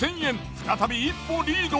再び一歩リード！